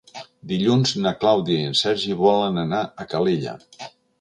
Dilluns na Clàudia i en Sergi volen anar a Calella.